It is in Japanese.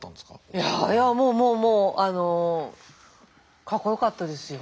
いやいやもうもうもうかっこよかったですよ。